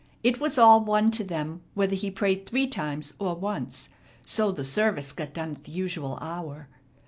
It was all one to them whether he prayed three times or once, so the service got done at the usual hour.